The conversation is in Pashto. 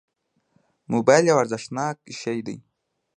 موبایل یو ارزښتناک شی دی.